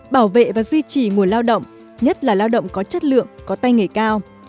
bảo vệ và duy trì nguồn lao động nhất là lao động có chất lượng có tay nghề cao